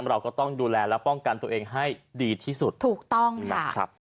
เราก็ต้องดูแลและป้องกันตัวเองให้ดีที่สุดถูกต้องนะครับ